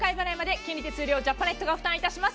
金利・手数料はジャパネットが負担します。